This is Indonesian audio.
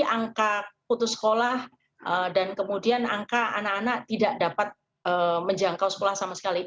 angka putus sekolah dan kemudian angka anak anak tidak dapat menjangkau sekolah sama sekali